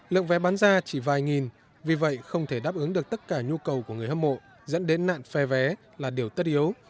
lượng vé bán ra chỉ vài nghìn vì vậy không thể đáp ứng được tất cả nhu cầu của người hâm mộ dẫn đến nạn phe vé là điều tất yếu